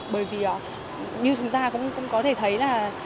bởi vì như chúng ta cũng có thể thấy là